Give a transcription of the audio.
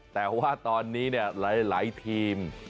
แต่ว่าตอนนี้หลายทีม